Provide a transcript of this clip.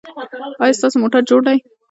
ایا ستاسو موټر جوړ دی؟